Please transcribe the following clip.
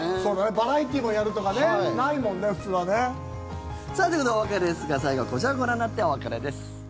バラエティーもやるとかねないもんね、普通はね。ということでお別れですが最後はこちらをご覧になってお別れです。